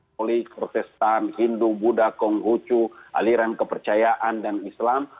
polik protestan hindu buddha kong hucu aliran kepercayaan dan islam